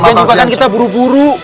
bagian juga kan kita buru buru